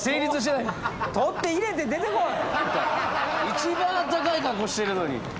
一番あったかい格好してるのに！